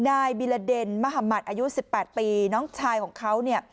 อายุ๑๘ปีน้องชายของเขาเนี่ย